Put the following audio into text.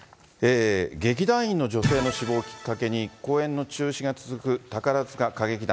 劇団員の女性の死亡をきっかけに、公演の中止が続く宝塚歌劇団。